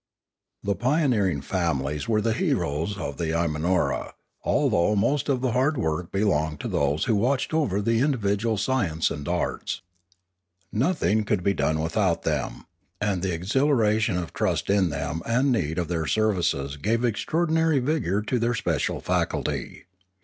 The pioneering families were the heroes of the Ima nora, although most of the hard work belonged to those who watched over the individual sciences and arts. Nothing could be done without them, and the exhila ration of trust in them and need of their services gave extraordinary vigour to their special faculty.